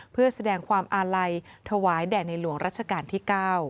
เพื่อแสดงความอาลัยถวายแด่ในหลวงรัชกาลที่๙